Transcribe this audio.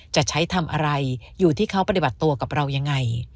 จะใช้ทำอะไรอยู่ที่เขาปฏิบัติตัวกับเรายังไง